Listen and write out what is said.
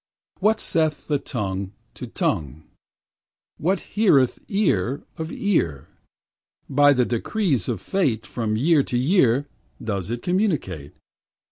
What saith the tongue to tongue? What hearest ear of ear? By the decrees of fate From year to year, Does it communicate.